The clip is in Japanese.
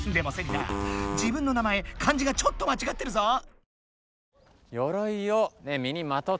自分の名前漢字がちょっとまちがってるぞ！